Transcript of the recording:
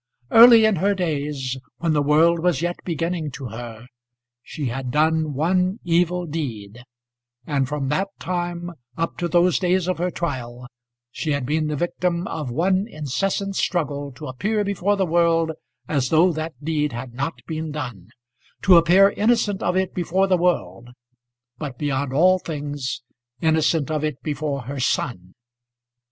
Early in her days, when the world was yet beginning to her, she had done one evil deed, and from that time up to those days of her trial she had been the victim of one incessant struggle to appear before the world as though that deed had not been done, to appear innocent of it before the world, but, beyond all things, innocent of it before her son.